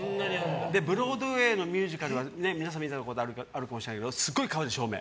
ブロードウェーのミュージカルは皆さん見たことあるかもしれないけどすごい変わるの、照明。